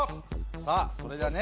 さあそれではね。